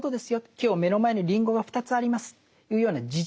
今日目の前にりんごが２つありますというような事実。